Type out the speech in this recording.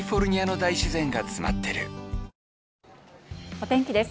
お天気です。